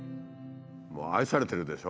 もう愛されてるでしょ。